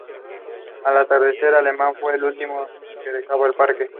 Al atardecer, Alem fue el último en dejar el Parque.